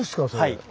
はい。